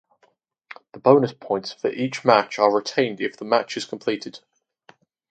The bonus points for each match are retained if the match is completed.